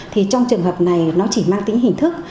thì trong trường hợp này nó chỉ mang tính hình thức